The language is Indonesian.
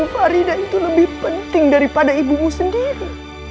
farida itu lebih penting daripada ibumu sendiri